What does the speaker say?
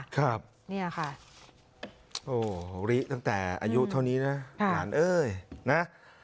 ครับเนี่ยค่ะโอ้โหริตั้งแต่อายุเท่านี้นะหลานเอ้ยนะ